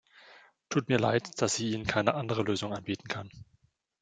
Tut mir leid, dass ich Ihnen keine andere Lösung anbieten kann .